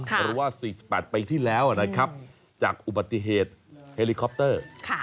หรือว่า๔๘ปีที่แล้วนะครับจากอุบัติเหตุเฮลิคอปเตอร์